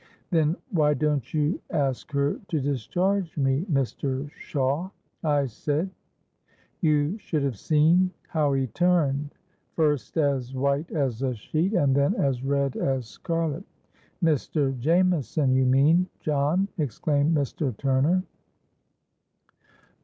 '—'Then why don't you ask her to discharge me, Mr. Shawe?' I said.—You should have seen how he turned—first as white as a sheet, and then as red as scarlet.—'Mr. Jameson you mean, John,' exclaimed Mr. Turner.